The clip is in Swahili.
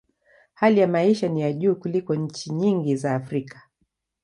Hali ya maisha ni ya juu kuliko nchi nyingi za Afrika.